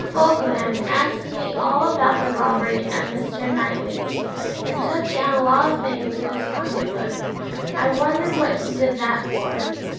Falkland asked me all about the robbery at Mr. Knightley's, and took down a lot of things in his pocket book. I wondered what he did that for.